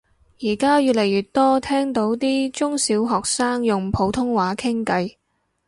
而家越嚟越多聽到啲中小學生用普通話傾偈